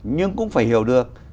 nhưng cũng phải hiểu được